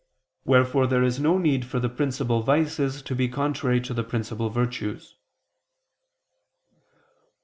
Wherefore there is no need for the principal vices to be contrary to the principal virtues.